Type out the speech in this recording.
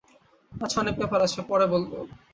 আছে, অনেক ব্যাপার আছে, পরে বলব।